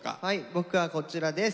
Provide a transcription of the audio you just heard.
僕はこちらです。